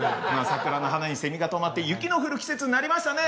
桜の花にセミが止まって雪の降る季節になりましたね。